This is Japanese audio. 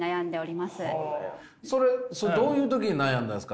それそれどういう時に悩んだんすか？